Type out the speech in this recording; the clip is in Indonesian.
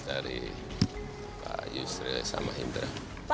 dari pak yusril dan mah hydro